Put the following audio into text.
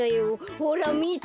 ほらみて。